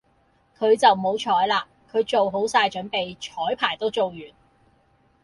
佢就唔好彩啦，佢做好曬準備，彩排都做完